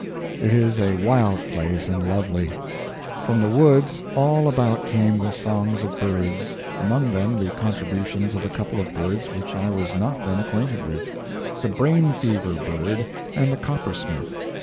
] It is a wild place and lovely. From the woods all about came the songs of birds, among them the contributions of a couple of birds which I was not then acquainted with: the brain fever bird and the coppersmith.